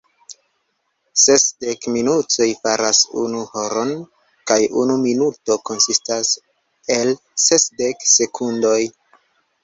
Sesdek minutoj faras unu horon, kaj unu minuto konsistas el sesdek sekundoj.